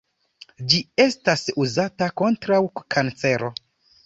Ĝi estas uzata kontraŭ kancero.